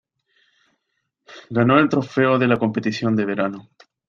Ganó el trofeo de la competición de verano.